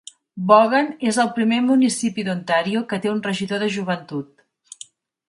Vaughan és el primer municipi d'Ontario que té un regidor de Joventut.